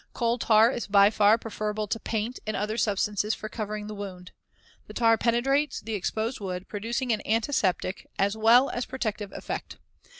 Coal tar is by far preferable to paint and other substances for covering the wound. The tar penetrates the exposed wood, producing an antiseptic as well as a protective effect.